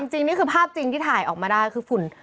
จริงนี่คือภาพจริงที่ถ่ายออกมาได้คือฝุ่น